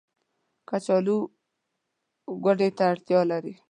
کچالو ګودې ته اړتيا لري